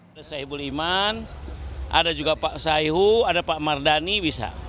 ada sahibul iman ada juga pak saihu ada pak mardani bisa